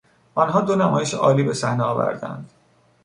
آنها دو نمایش عالی به صحنه آوردهاند.